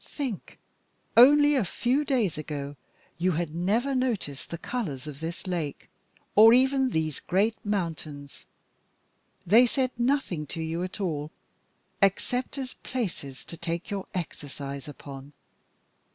Think, only a few days ago you had never noticed the colours of this lake, or even these great mountains, they said nothing to you at all except as places to take your exercise upon.